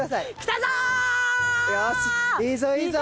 よしいいぞいいぞ。